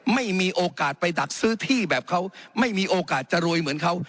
ไม่มีโอกาสไปดักซื้อที่แบบเขาไม่มีโอกาสจะรวยเหมือนเขา